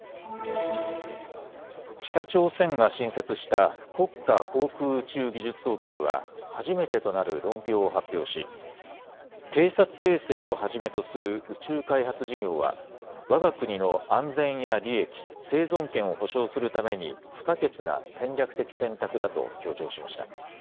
北朝鮮が新設した国家航空宇宙技術総局は初めてとなる論評を発表し偵察衛星をはじめとする宇宙開発事業はわが国の安全や利益、生存権を保証するために不可欠な戦略的選択だと強調しました。